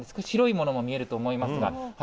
白いものも見えると思いますが。